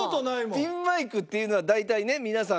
ピンマイクっていうのは大体ね皆さん